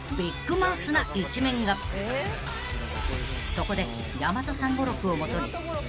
［そこで］